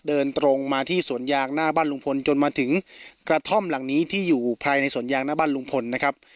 เดินตรงมาที่สวนยางหน้าบ้านลุงพลจนมาถึงกระท่อมหลังนี้ที่อยู่ภายในสวนยางหน้าบ้านลุงพลนะครับ